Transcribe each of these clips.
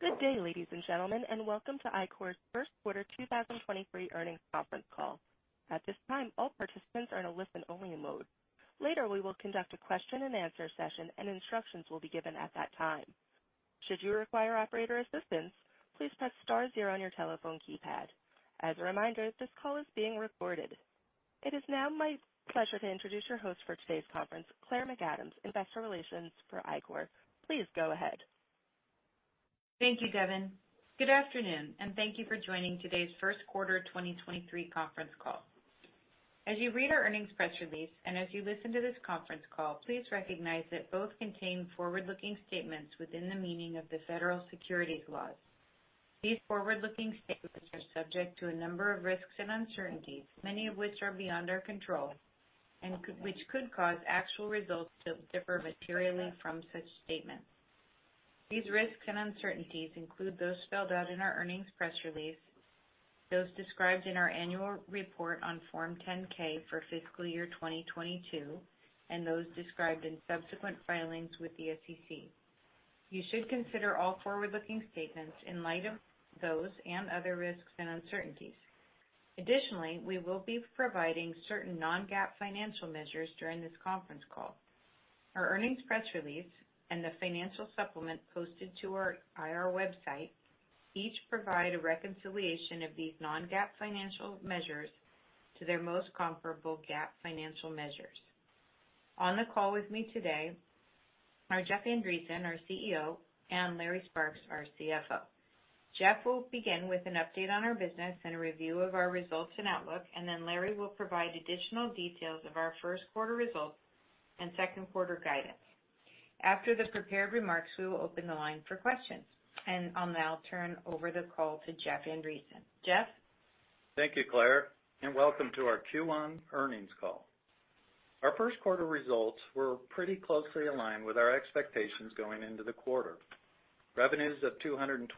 Good day, ladies and gentlemen, and welcome to Ichor's first quarter 2023 earnings conference call. At this time, all participants are in a listen-only mode. Later, we will conduct a question-and-answer session, and instructions will be given at that time. Should you require operator assistance, please press star zero on your telephone keypad. As a reminder, this call is being recorded. It is now my pleasure to introduce your host for today's conference, Claire McAdams, investor relations for Ichor. Please go ahead. Thank you, Devin. Good afternoon, thank you for joining today's first quarter 2023 conference call. As you read our earnings press release, and as you listen to this conference call, please recognize that both contain forward-looking statements within the meaning of the federal securities laws. These forward-looking statements are subject to a number of risks and uncertainties, many of which are beyond our control and which could cause actual results to differ materially from such statements. These risks and uncertainties include those spelled out in our earnings press release, those described in our annual report on Form 10-K for fiscal year 2022, and those described in subsequent filings with the SEC. You should consider all forward-looking statements in light of those and other risks and uncertainties. Additionally, we will be providing certain non-GAAP financial measures during this conference call. Our earnings press release and the financial supplement posted to our IR website each provide a reconciliation of these non-GAAP financial measures to their most comparable GAAP financial measures. On the call with me today are Jeff Andreson, our CEO, and Larry Sparks, our CFO. Jeff will begin with an update on our business and a review of our results and outlook, and then Larry will provide additional details of our first quarter results and second quarter guidance. After the prepared remarks, we will open the line for questions. I'll now turn over the call to Jeff Andreson. Jeff? Thank you, Claire. Welcome to our Q1 earnings call. Our first quarter results were pretty closely aligned with our expectations going into the quarter. Revenues of $226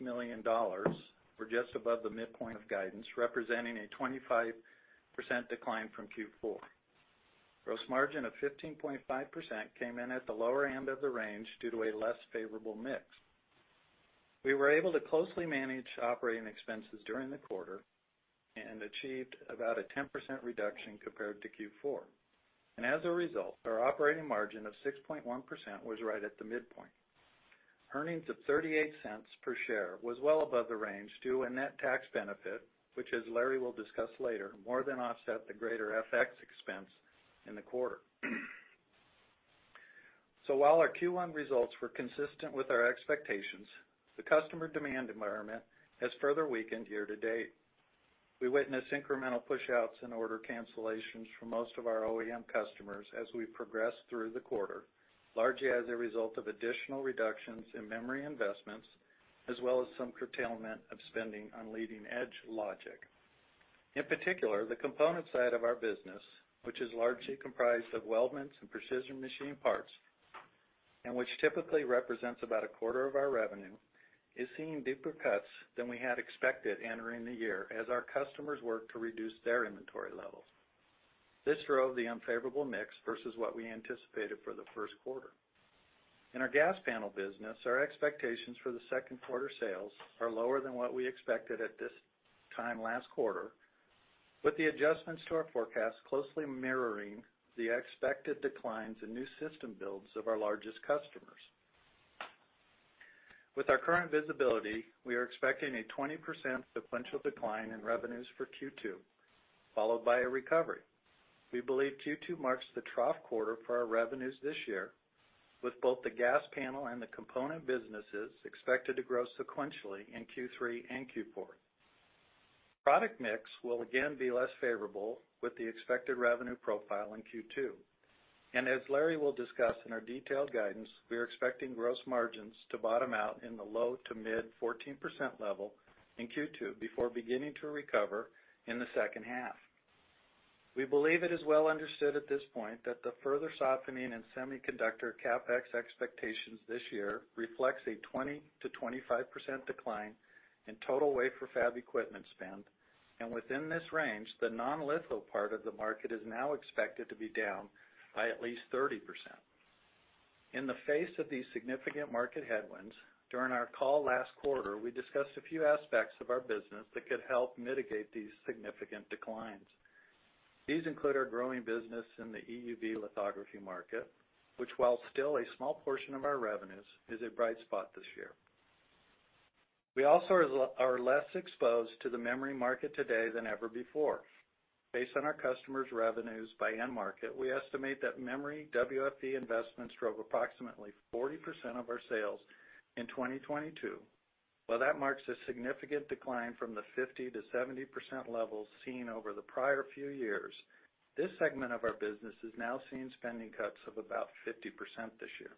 million were just above the midpoint of guidance, representing a 25% decline from Q4. Gross margin of 15.5% came in at the lower end of the range due to a less favorable mix. We were able to closely manage operating expenses during the quarter and achieved about a 10% reduction compared to Q4. As a result, our operating margin of 6.1% was right at the midpoint. Earnings of $0.38 per share was well above the range due a net tax benefit, which, as Larry will discuss later, more than offset the greater FX expense in the quarter. While our Q1 results were consistent with our expectations, the customer demand environment has further weakened year to date. We witnessed incremental pushouts and order cancellations from most of our OEM customers as we progressed through the quarter, largely as a result of additional reductions in memory investments, as well as some curtailment of spending on leading-edge logic. In particular, the component side of our business, which is largely comprised of weldments and precision machine parts, and which typically represents about a quarter of our revenue, is seeing deeper cuts than we had expected entering the year as our customers work to reduce their inventory levels. This drove the unfavorable mix versus what we anticipated for the first quarter. In our gas panel business, our expectations for the second quarter sales are lower than what we expected at this time last quarter, with the adjustments to our forecast closely mirroring the expected declines in new system builds of our largest customers. With our current visibility, we are expecting a 20% sequential decline in revenues for Q2, followed by a recovery. We believe Q2 marks the trough quarter for our revenues this year, with both the gas panel and the component businesses expected to grow sequentially in Q3 and Q4. Product mix will again be less favorable with the expected revenue profile in Q2. As Larry will discuss in our detailed guidance, we are expecting gross margins to bottom out in the low to mid-14% level in Q2 before beginning to recover in the second half. We believe it is well understood at this point that the further softening in semiconductor CapEx expectations this year reflects a 20%-25% decline in total wafer fab equipment spend. Within this range, the non-litho part of the market is now expected to be down by at least 30%. In the face of these significant market headwinds, during our call last quarter, we discussed a few aspects of our business that could help mitigate these significant declines. These include our growing business in the EUV lithography market, which, while still a small portion of our revenues, is a bright spot this year. We also are less exposed to the memory market today than ever before. Based on our customers' revenues by end market, we estimate that memory WFE investments drove approximately 40% of our sales in 2022. While that marks a significant decline from the 50%-70% levels seen over the prior few years, this segment of our business is now seeing spending cuts of about 50% this year.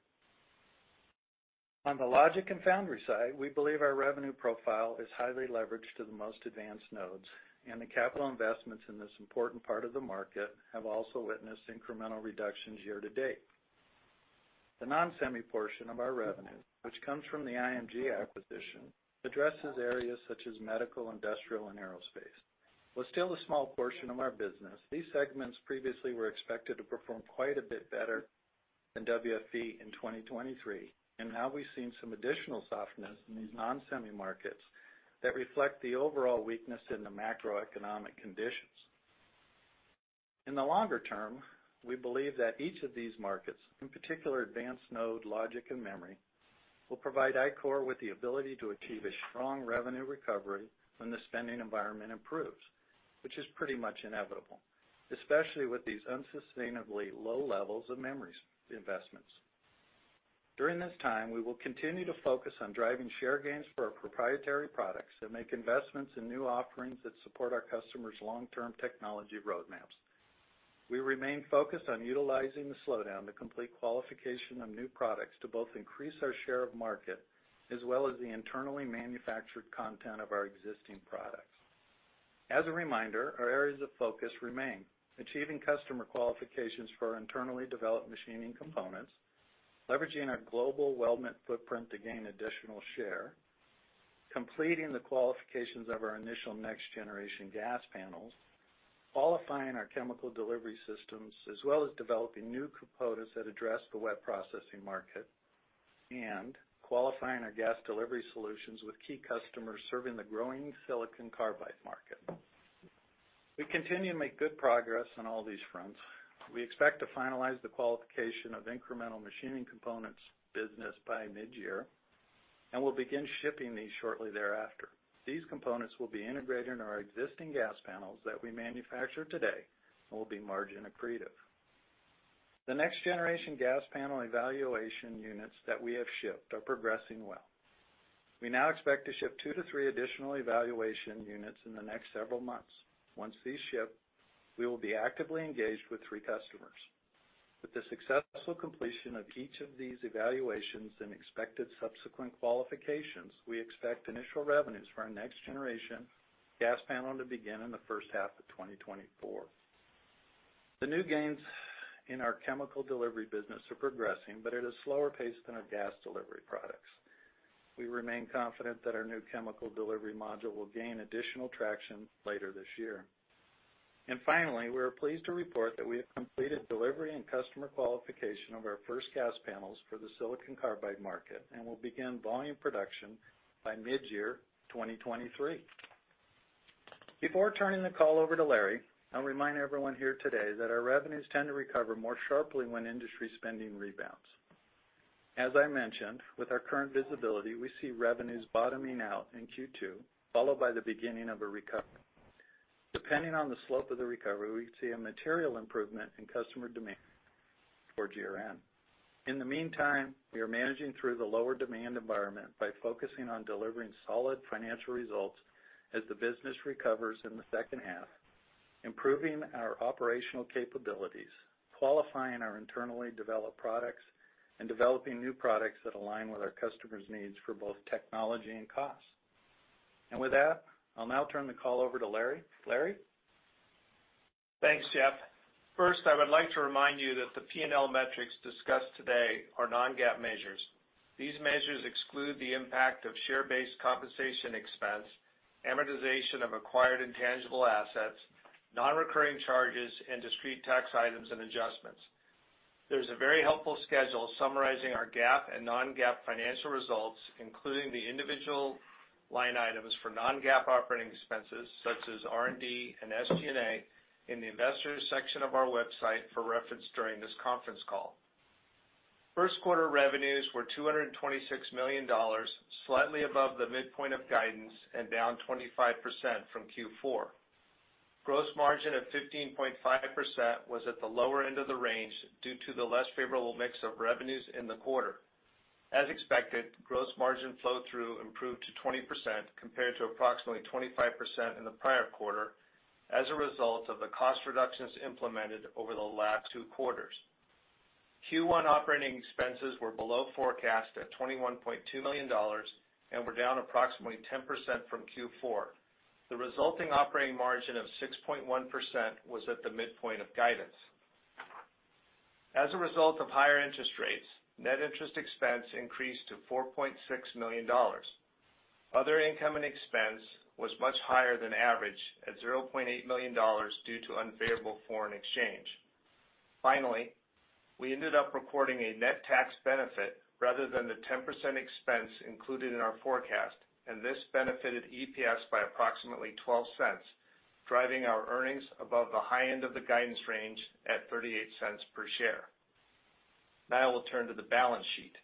On the logic and foundry side, we believe our revenue profile is highly leveraged to the most advanced nodes, and the capital investments in this important part of the market have also witnessed incremental reductions year to date. The non-semi portion of our revenue, which comes from the IMG acquisition, addresses areas such as medical, industrial, and aerospace. While still a small portion of our business, these segments previously were expected to perform quite a bit better than WFE in 2023, and now we've seen some additional softness in these non-semi markets that reflect the overall weakness in the macroeconomic conditions. In the longer term, we believe that each of these markets, in particular advanced node, logic and memory, will provide Ichor with the ability to achieve a strong revenue recovery when the spending environment improves, which is pretty much inevitable, especially with these unsustainably low levels of memories investments. During this time, we will continue to focus on driving share gains for our proprietary products that make investments in new offerings that support our customers' long-term technology roadmaps. We remain focused on utilizing the slowdown to complete qualification of new products to both increase our share of market as well as the internally manufactured content of our existing products. As a reminder, our areas of focus remain: achieving customer qualifications for our internally developed machining components, leveraging our global weldment footprint to gain additional share, completing the qualifications of our initial next generation gas panels, qualifying our chemical delivery systems, as well as developing new components that address the wet processing market, and qualifying our gas delivery solutions with key customers serving the growing silicon carbide market. We continue to make good progress on all these fronts. We expect to finalize the qualification of incremental machining components business by mid-year, and we'll begin shipping these shortly thereafter. These components will be integrated into our existing gas panels that we manufacture today and will be margin accretive. The next generation gas panel evaluation units that we have shipped are progressing well. We now expect to ship two to three additional evaluation units in the next several months. Once these ship, we will be actively engaged with three customers. With the successful completion of each of these evaluations and expected subsequent qualifications, we expect initial revenues for our next generation gas panel to begin in the first half of 2024. The new gains in our chemical delivery business are progressing, but at a slower pace than our gas delivery products. We remain confident that our new chemical delivery module will gain additional traction later this year. Finally, we are pleased to report that we have completed delivery and customer qualification of our first gas panels for the silicon carbide market and will begin volume production by mid-year 2023. Before turning the call over to Larry, I'll remind everyone here today that our revenues tend to recover more sharply when industry spending rebounds. As I mentioned, with our current visibility, we see revenues bottoming out in Q2, followed by the beginning of a recovery. Depending on the slope of the recovery, we see a material improvement in customer demand for [for year end]. In the meantime, we are managing through the lower demand environment by focusing on delivering solid financial results as the business recovers in the second half, improving our operational capabilities, qualifying our internally developed products, and developing new products that align with our customers' needs for both technology and cost. With that, I'll now turn the call over to Larry. Larry? Thanks, Jeff. First, I would like to remind you that the P&L metrics discussed today are non-GAAP measures. These measures exclude the impact of share-based compensation expense, amortization of acquired intangible assets, non-recurring charges, and discrete tax items and adjustments. There's a very helpful schedule summarizing our GAAP and non-GAAP financial results, including the individual line items for non-GAAP operating expenses such as R&D and SG&A in the Investors section of our website for reference during this conference call. First quarter revenues were $226 million, slightly above the midpoint of guidance and down 25% from Q4. Gross margin of 15.5% was at the lower end of the range due to the less favorable mix of revenues in the quarter. As expected, gross margin flow-through improved to 20% compared to approximately 25% in the prior quarter as a result of the cost reductions implemented over the last two quarters. Q1 OpEx were below forecast at $21.2 million and were down approximately 10% from Q4. The resulting operating margin of 6.1% was at the midpoint of guidance. As a result of higher interest rates, net interest expense increased to $4.6 million. Other income and expense was much higher than average at $0.8 million due to unfavorable foreign exchange. Finally, we ended up recording a net tax benefit rather than the 10% expense included in our forecast, and this benefited EPS by approximately $0.12, driving our earnings above the high end of the guidance range at $0.38 per share. Now we'll turn to the balance sheet.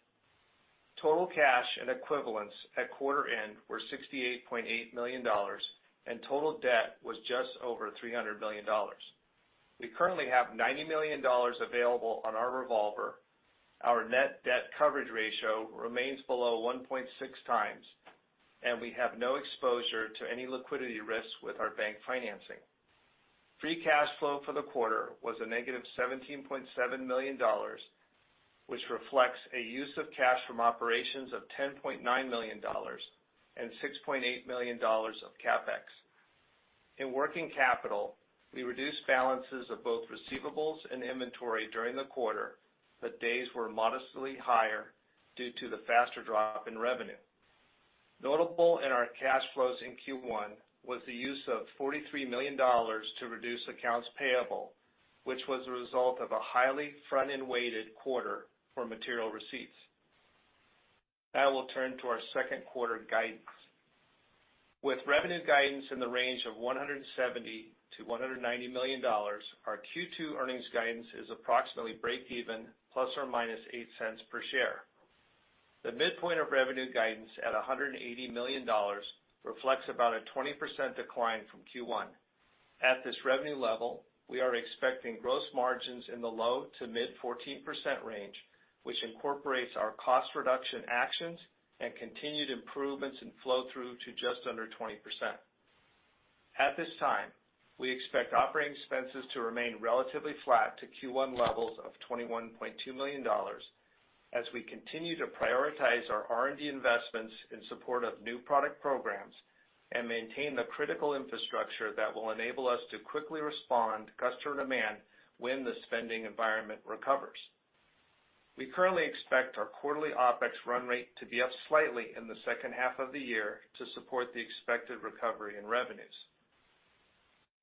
Total cash and equivalents at quarter end were $68.8 million, and total debt was just over $300 million. We currently have $90 million available on our revolver. Our net debt coverage ratio remains below 1.6x, and we have no exposure to any liquidity risks with our bank financing. Free cash flow for the quarter was a negative -$17.7 million, which reflects a use of cash from operations of $10.9 million and $6.8 million of CapEx. In working capital, we reduced balances of both receivables and inventory during the quarter, but days were modestly higher. Due to the faster drop in revenue. Notable in our cash flows in Q1 was the use of $43 million to reduce accounts payable, which was a result of a highly front-end-weighted quarter for material receipts. We'll turn to our second quarter guidance. With revenue guidance in the range of $170 million-$190 million, our Q2 earnings guidance is approximately breakeven ±$0.08 per share. The midpoint of revenue guidance at $180 million reflects about a 20% decline from Q1. At this revenue level, we are expecting gross margins in the low to mid 14% range, which incorporates our cost reduction actions and continued improvements in flow-through to just under 20%. At this time, we expect operating expenses to remain relatively flat to Q1 levels of $21.2 million as we continue to prioritize our R&D investments in support of new product programs and maintain the critical infrastructure that will enable us to quickly respond to customer demand when the spending environment recovers. We currently expect our quarterly OpEx run rate to be up slightly in the second half of the year to support the expected recovery in revenues.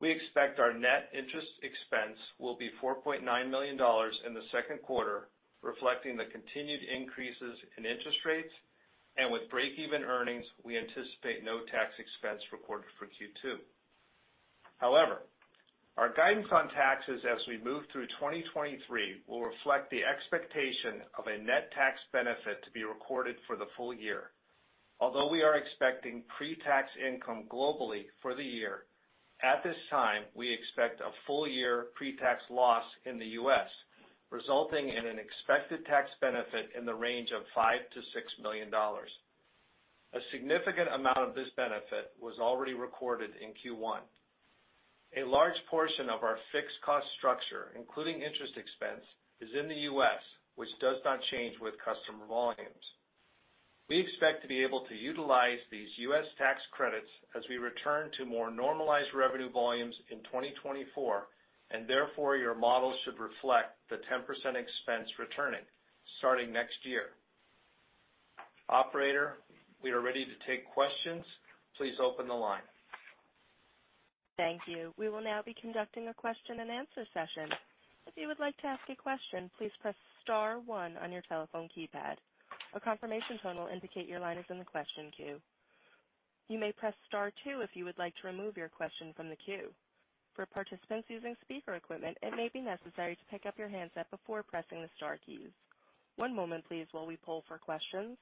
We expect our net interest expense will be $4.9 million in the second quarter, reflecting the continued increases in interest rates. With breakeven earnings, we anticipate no tax expense recorded for Q2. Our guidance on taxes as we move through 2023 will reflect the expectation of a net tax benefit to be recorded for the full year. Although we are expecting pre-tax income globally for the year, at this time, we expect a full-year pre-tax loss in the U.S., resulting in an expected tax benefit in the range of $5 million-$6 million. A significant amount of this benefit was already recorded in Q1. A large portion of our fixed cost structure, including interest expense, is in the U.S., which does not change with customer volumes. We expect to be able to utilize these U.S. tax credits as we return to more normalized revenue volumes in 2024. Therefore, your model should reflect the 10% expense returning starting next year. Operator, we are ready to take questions. Please open the line. Thank you. We will now be conducting a question-and-answer session. If you would like to ask a question, please press star one on your telephone keypad. A confirmation tone will indicate your line is in the question queue. You may press star two if you would like to remove your question from the queue. For participants using speaker equipment, it may be necessary to pick up your handset before pressing the star keys. One moment please while we poll for questions.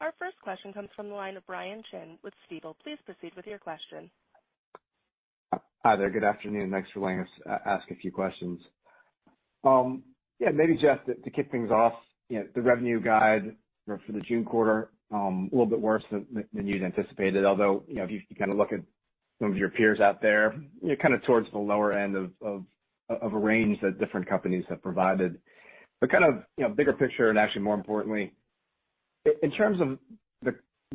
Our first question comes from the line of Brian Chin with Stifel. Please proceed with your question. Hi there. Good afternoon. Thanks for letting us ask a few questions. Yeah, maybe, Jeff, to kick things off, you know, the revenue guide for the June quarter, a little bit worse than you'd anticipated. Although, you know, if you kinda look at some of your peers out there, you're kind of towards the lower end of a range that different companies have provided. Kind of, you know, bigger picture, and actually more importantly, in terms of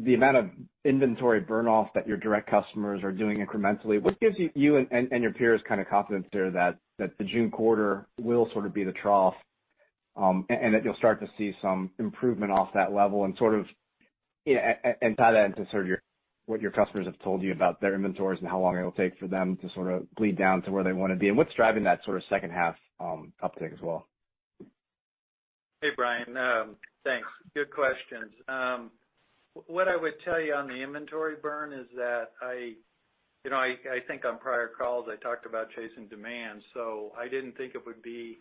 the amount of inventory burn off that your direct customers are doing incrementally, what gives you and your peers kind of confidence there that the June quarter will sort of be the trough, and that you'll start to see some improvement off that level and sort of, you know, and tie that into sort of your, what your customers have told you about their inventories and how long it'll take for them to sort of bleed down to where they wanna be, and what's driving that sort of second half uptick as well? Hey, Brian. Thanks. Good questions. What I would tell you on the inventory burn is that I, you know, I think on prior calls I talked about chasing demand, so I didn't think it would be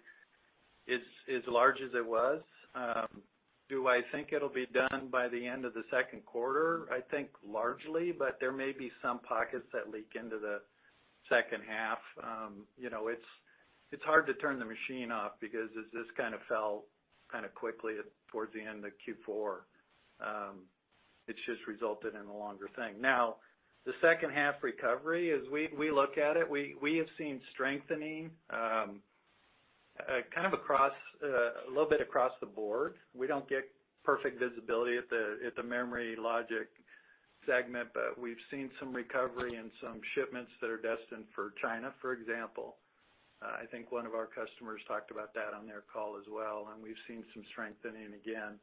as large as it was. Do I think it'll be done by the end of the second quarter? I think largely, but there may be some pockets that leak into the second half. You know, it's hard to turn the machine off because as this kind of fell kind of quickly towards the end of Q4, it's just resulted in a longer thing. The second half recovery, as we look at it, we have seen strengthening kind of across a little bit across the board. We don't get perfect visibility at the memory logic segment, but we've seen some recovery and some shipments that are destined for China, for example. I think one of our customers talked about that on their call as well, and we've seen some strengthening again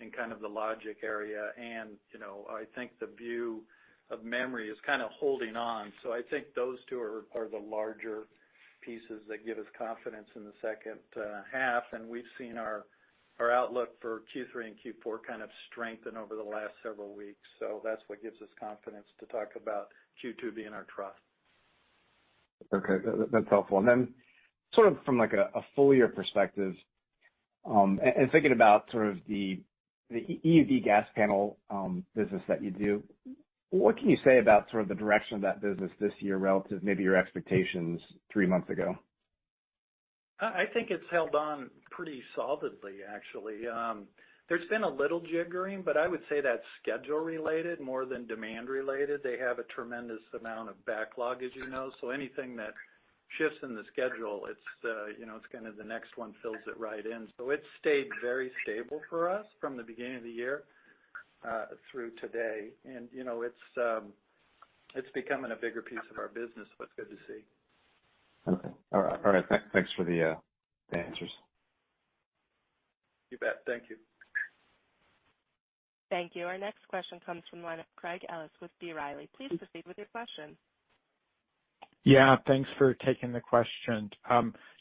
in kind of the logic area. You know, I think the view of memory is kind of holding on. I think those two are the larger pieces that give us confidence in the second half, and we've seen our outlook for Q3 and Q4 kind of strengthen over the last several weeks. That's what gives us confidence to talk about Q2 being our trough. Okay. That's helpful. sort of from like a full year perspective, and thinking about sort of the EUV gas panel business that you do, what can you say about sort of the direction of that business this year relative to maybe your expectations three months ago? I think it's held on pretty solidly actually. There's been a little jiggering, but I would say that's schedule related more than demand related. They have a tremendous amount of backlog as you know. Anything that shifts in the schedule, it's, you know, it's kind of the next one fills it right in. It's stayed very stable for us from the beginning of the year, through today. You know, it's becoming a bigger piece of our business, so it's good to see. Okay. All right. Thanks for the answers. You bet. Thank you. Thank you. Our next question comes from the line of Craig Ellis with B. Riley. Please proceed with your question. Yeah, thanks for taking the question.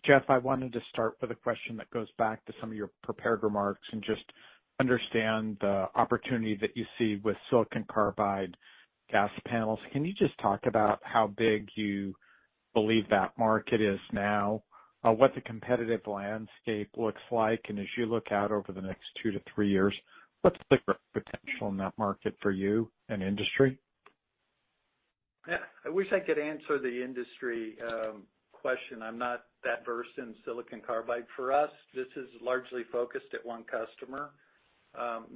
Jeff, I wanted to start with a question that goes back to some of your prepared remarks and just understand the opportunity that you see with silicon carbide gas panels. Can you just talk about how big you believe that market is now, what the competitive landscape looks like? As you look out over the next 2 to 3 years, what's the growth potential in that market for you and the industry? Yeah. I wish I could answer the industry question. I'm not that versed in silicon carbide. For us, this is largely focused at one customer.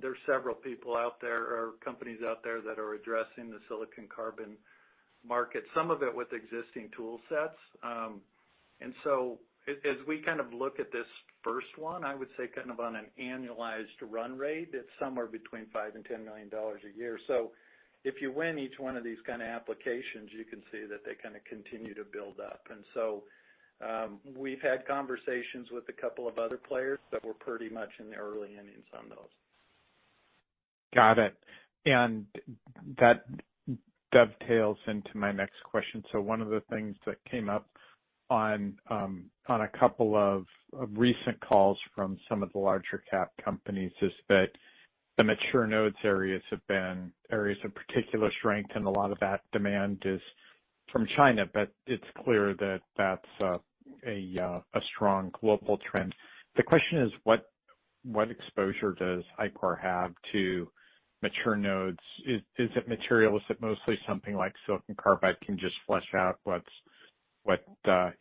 There are several people out there or companies out there that are addressing the silicon carbide market, some of it with existing tool sets. As we kind of look at this first one, I would say kind of on an annualized run rate, it's somewhere between $5 million-$10 million a year. If you win each one of these kind of applications, you can see that they kind of continue to build up. We've had conversations with a couple of other players, but we're pretty much in the early innings on those. Got it. That dovetails into my next question. One of the things that came up on a couple of recent calls from some of the larger cap companies is that the mature nodes areas have been areas of particular strength, and a lot of that demand is from China, but it's clear that that's a strong global trend. The question is, what exposure does Ichor have to mature nodes? Is it material? Is it mostly something like silicon carbide can just flesh out what's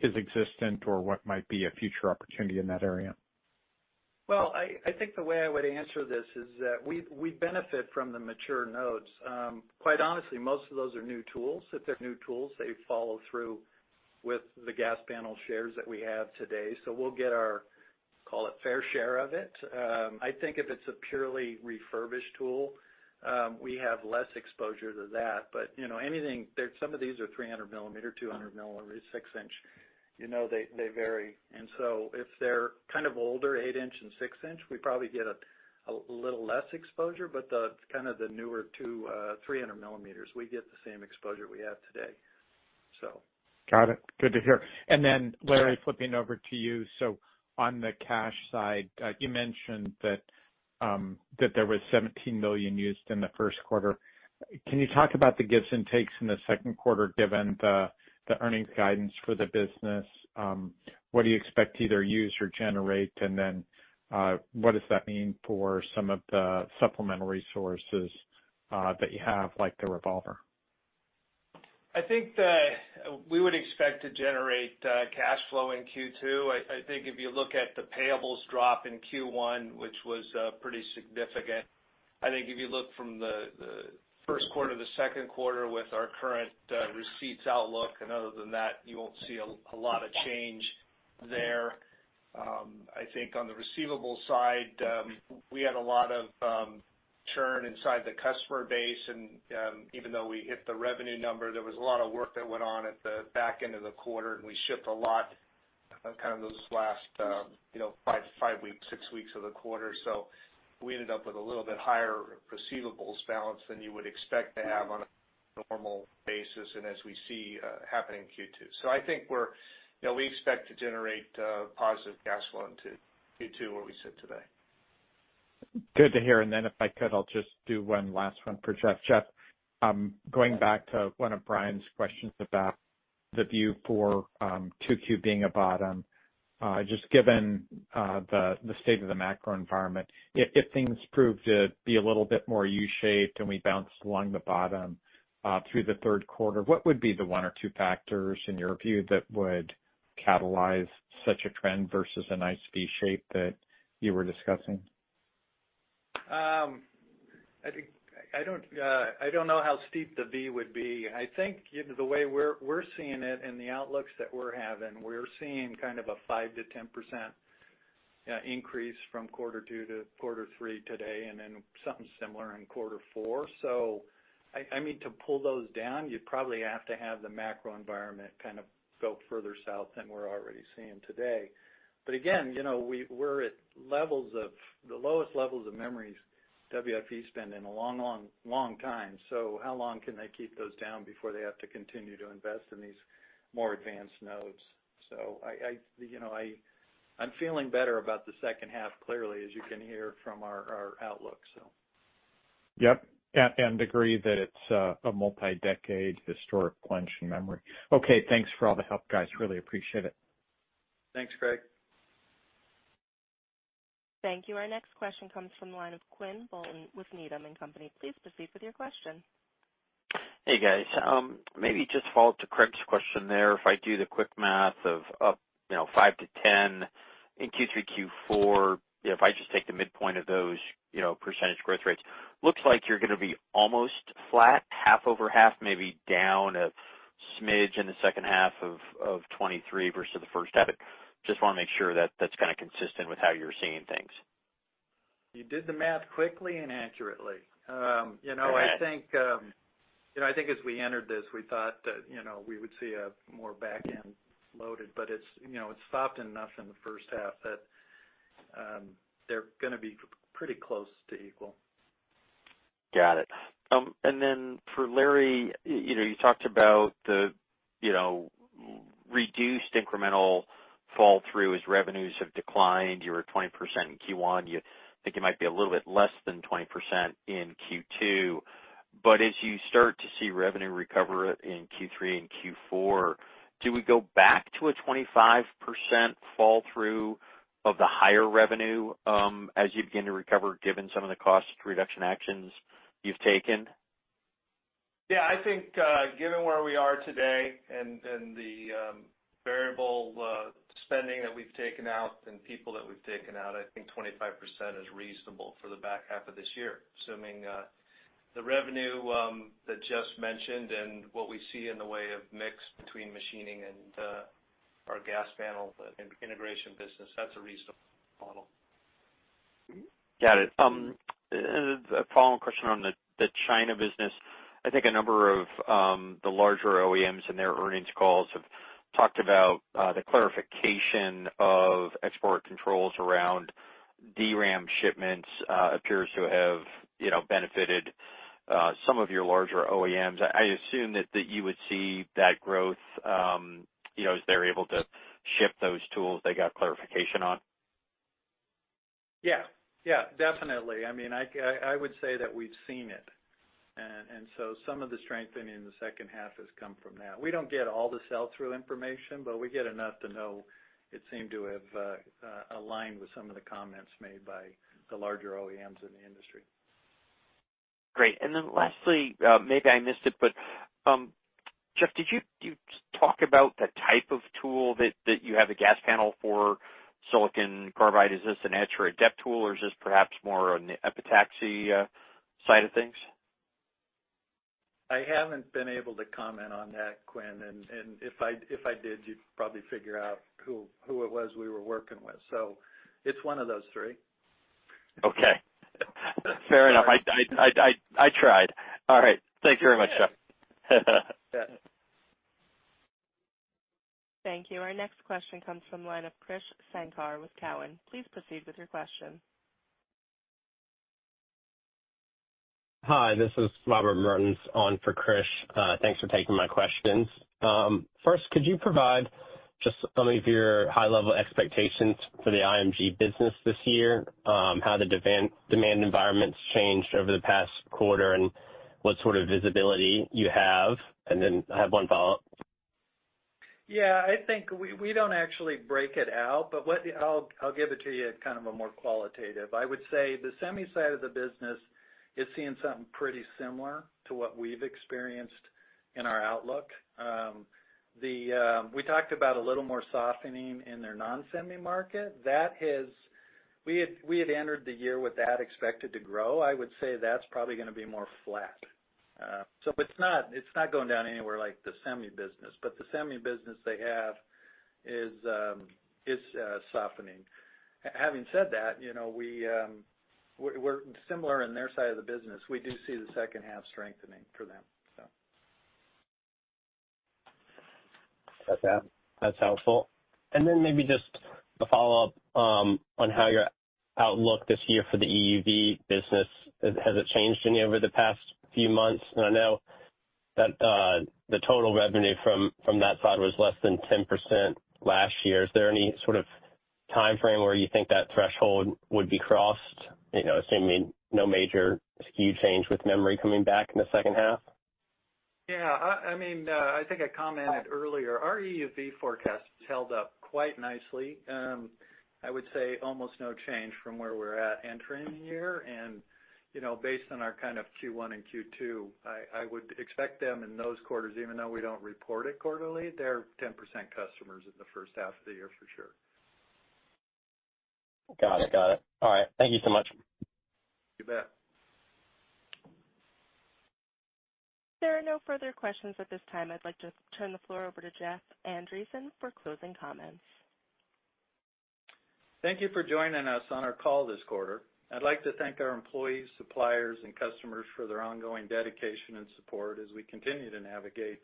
existent or what might be a future opportunity in that area? Well, I think the way I would answer this is that we benefit from the mature nodes. Quite honestly, most of those are new tools. If they're new tools, they follow through with the gas panel shares that we have today. We'll get our, call it, fair share of it. I think if it's a purely refurbished tool, we have less exposure to that. You know, anything, there's some of these are 300 millimeter, 200 millimeter, 6 inch, you know, they vary. If they're kind of older, 8 inch and 6 inch, we probably get a little less exposure, but the kind of the newer 300 millimeters, we get the same exposure we have today. Got it. Good to hear. Larry, flipping over to you. On the cash side, you mentioned that there was $17 million used in the first quarter. Can you talk about the gives and takes in the second quarter, given the earnings guidance for the business? What do you expect to either use or generate, and then, what does that mean for some of the supplemental resources, that you have, like the revolver? I think that we would expect to generate cash flow in Q2. I think if you look at the payables drop in Q1, which was pretty significant. I think if you look from the first quarter to the second quarter with our current receipts outlook, other than that, you won't see a lot of change there. I think on the receivables side, we had a lot of churn inside the customer base. Even though we hit the revenue number, there was a lot of work that went on at the back end of the quarter. We shipped a lot of kind of those last, you know, five weeks, six weeks of the quarter. We ended up with a little bit higher receivables balance than you would expect to have on a normal basis, and as we see happening in Q2. I think we're, you know, we expect to generate positive cash flow in Q2 where we sit today. Good to hear. If I could, I'll just do one last one for Jeff. Jeff, going back to one of Brian's questions about the view for Q2 being a bottom, just given the state of the macro environment, if things prove to be a little bit more U-shaped and we bounced along the bottom through the third quarter, what would be the one or two factors in your view that would catalyze such a trend versus a nice V shape that you were discussing? I don't know how steep the V would be. I think, you know, the way we're seeing it and the outlooks that we're having, we're seeing kind of a 5%-10% increase from quarter two to quarter three today, and then something similar in quarter four. I mean, to pull those down, you'd probably have to have the macro environment kind of go further south than we're already seeing today. Again, you know, we're at levels of the lowest levels of memories WFE spend in a long, long, long time, so how long can they keep those down before they have to continue to invest in these more advanced nodes? I, you know, I'm feeling better about the second half, clearly, as you can hear from our outlook, so. Yep. Agree that it's a multi-decade historic plunge in memory. Okay. Thanks for all the help, guys. Really appreciate it. Thanks, Craig. Thank you. Our next question comes from the line of Quinn Bolton with Needham & Company. Please proceed with your question. Hey, guys. Maybe just follow up to Craig's question there. If I do the quick math of up, you know, 5% to 10% in Q3, Q4, if I just take the midpoint of those, you know, percentage growth rates, looks like you're gonna be almost flat, half over half, maybe down a smidge in the second half of 2023 versus the first half. Just wanna make sure that that's kind of consistent with how you're seeing things? You did the math quickly and accurately. You know. Go ahead.... I think, you know, I think as we entered this, we thought that, you know, we would see a more back-end loaded, but it's, you know, it's softened enough in the first half that, they're gonna be pretty close to equal. Got it. For Larry, you know, you talked about the, you know, reduced incremental flow-through as revenues have declined. You were at 20% in Q1. You think it might be a little bit less than 20% in Q2. As you start to see revenue recover in Q3 and Q4, do we go back to a 25% flow-through of the higher revenue as you begin to recover, given some of the cost reduction actions you've taken? I think given where we are today and the variable spending that we've taken out and people that we've taken out, I think 25% is reasonable for the back half of this year, assuming the revenue that Jeff mentioned and what we see in the way of mix between machining and our gas panel, the integration business, that's a reasonable model. Got it. A follow-up question on the China business. I think a number of the larger OEMs in their earnings calls have talked about the clarification of export controls around DRAM shipments appears to have, you know, benefited some of your larger OEMs. I assume that you would see that growth, you know, as they're able to ship those tools they got clarification on? Yeah. Yeah, definitely. I mean, I would say that we've seen it. Some of the strengthening in the second half has come from that. We don't get all the sell-through information, but we get enough to know it seemed to have aligned with some of the comments made by the larger OEMs in the industry. Great. Then lastly, maybe I missed it, but Jeff, did you talk about the type of tool that you have a gas panel for silicon carbide? Is this an etch or a dep tool, or is this perhaps more on the epitaxy side of things? I haven't been able to comment on that, Quinn, and if I did, you'd probably figure out who it was we were working with. It's one of those three. Okay. Fair enough. I tried. All right. Thank you very much, Jeff. Yeah. Thank you. Our next question comes from line of Krish Sankar with Cowen. Please proceed with your question. Hi, this is Robert Mertens on for Krish. Thanks for taking my questions. First, could you provide just some of your high-level expectations for the IMG business this year, how the demand environment's changed over the past quarter, and what sort of visibility you have? I have one follow-up. Yeah, I think we don't actually break it out, but what I'll give it to you at kind of a more qualitative. I would say the semi side of the business is seeing something pretty similar to what we've experienced in our outlook. The we talked about a little more softening in their non-semi market. We had entered the year with that expected to grow. I would say that's probably gonna be more flat. It's not going down anywhere like the semi business, but the semi business they have is softening. Having said that, you know, we're similar in their side of the business. We do see the second half strengthening for them, so. Got that. That's helpful. Then maybe just a follow-up, on how your outlook this year for the EUV business. Has it changed any over the past few months? I know that, the total revenue from that side was less than 10% last year. Is there any sort of timeframe where you think that threshold would be crossed, you know, assuming no major SKU change with memory coming back in the second half? Yeah. I mean, I think I commented earlier, our EUV forecast has held up quite nicely. I would say almost no change from where we're at entering the year. You know, based on our kind of Q1 and Q2, I would expect them in those quarters, even though we don't report it quarterly, they're 10% customers in the first half of the year for sure. Got it. All right. Thank you so much. You bet. There are no further questions at this time. I'd like to turn the floor over to Jeff Andreson for closing comments. Thank you for joining us on our call this quarter. I'd like to thank our employees, suppliers, and customers for their ongoing dedication and support as we continue to navigate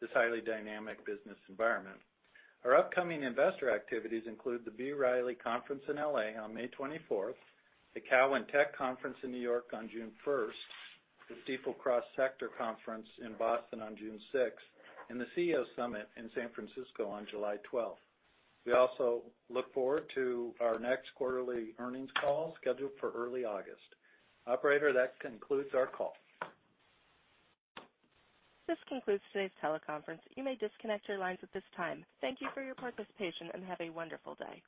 this highly dynamic business environment. Our upcoming investor activities include the B. Riley conference in L.A. on May 24th, the Cowen tech conference in New York on June 1st, the Stifel Cross Sector conference in Boston on June 6th, and the CEO Summit in San Francisco on July 12th. We also look forward to our next quarterly earnings call scheduled for early August. Operator, that concludes our call. This concludes today's teleconference. You may disconnect your lines at this time. Thank you for your participation. Have a wonderful day.